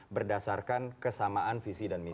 berdasarkan kesamaan visi dan misi